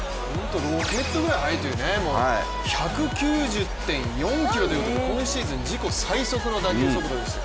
ロケットくらい速いという、１９．４キロということで今シーズン自己最速の打球速度でした。